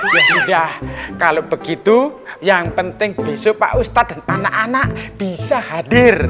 ya sudah kalau begitu yang penting besok pak ustadz dan anak anak bisa hadir